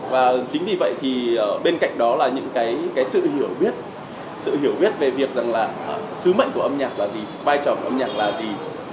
và chính vì vậy thì bên cạnh đó là những sự hiểu biết về việc sứ mệnh của âm nhạc là gì vai trò của âm nhạc là gì